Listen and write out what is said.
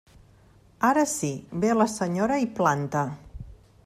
Ara sí, ve la senyora i planta.